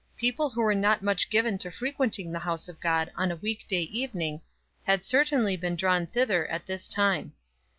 People who were not much given to frequenting the house of God on a week day evening, had certainly been drawn thither at this time.